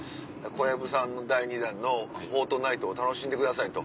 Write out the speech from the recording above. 小籔さんの第２弾の『フォートナイト』を楽しんでくださいと。